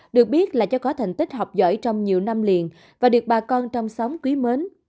được biết là cho có thành tích học giỏi trong nhiều năm liền và được bà con trong xóm quý mến